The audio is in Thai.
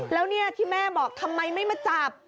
แล้วเนี่ยที่แม่บอกทำไมไม่มาจับ